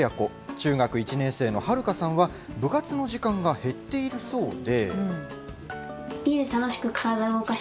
中学１年生の遥香さんは、部活の時間が減っているそうで。